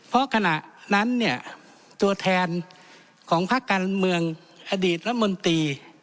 เพราะขณะนั้นตัวแทนของพระการเมืองอดีตและมนตรี